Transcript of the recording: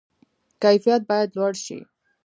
کیفیت باید لوړ شي